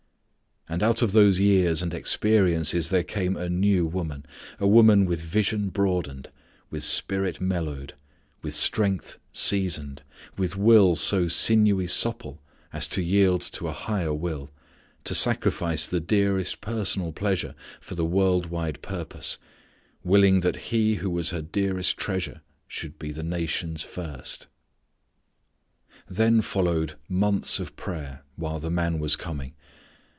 And out of those years and experiences there came a new woman. A woman with vision broadened, with spirit mellowed, with strength seasoned, with will so sinewy supple as to yield to a higher will, to sacrifice the dearest personal pleasure for the world wide purpose; willing that he who was her dearest treasure should be the nation's first. Then followed months of prayer while the man was coming.